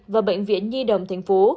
và bệnh viện nhi đồng thành phố